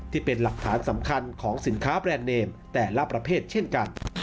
ที่เป็นหลักฐานสำคัญของสินค้าแบรนด์เนมแต่ละประเภทเช่นกัน